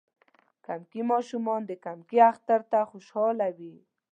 کمکي ماشومان د کمکی اختر ته خوشحاله وی.